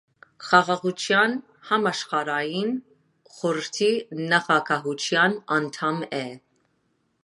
Խաղաղության համաշխարհային խորհրդի նախագահության անդամ է։